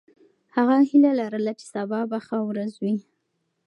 هغه هیله لرله چې سبا به ښه ورځ وي.